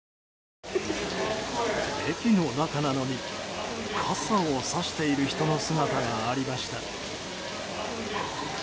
駅の中なのに傘をさしている人の姿がありました。